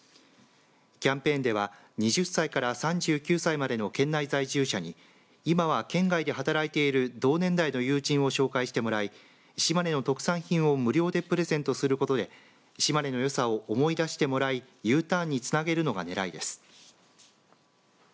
キャンペーンでは２０歳から３９歳までの県内在住者に今は県外で働いている同年代の友人を紹介してもらい島根の特産品を無料でプレゼントすることで島根のよさを思い出してもらいＵターンにつなげるのが狙いです。